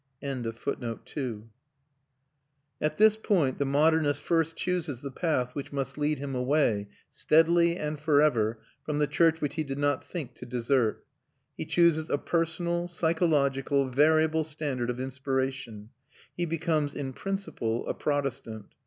] At this point the modernist first chooses the path which must lead him away, steadily and for ever, from the church which he did not think to desert. He chooses a personal, psychological, variable standard of inspiration; he becomes, in principle, a Protestant.